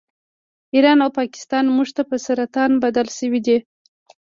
ایران او پاکستان موږ ته په سرطان بدل شوي دي